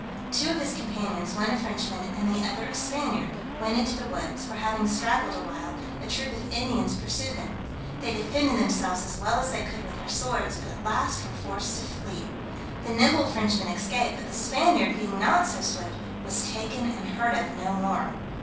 Two of his companions, one a Frenchman and the other a Spaniard, went into the woods, where having straggled awhile, a troop of Indians pursued them. They defended themselves as well as they could with their swords, but at last were forced to flee. The nimble Frenchman escaped; but the Spaniard being not so swift, was taken and heard of no more.